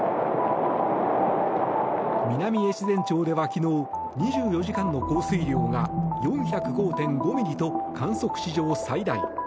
南越前町では昨日２４時間の降水量が４０５．５ミリと観測史上最大。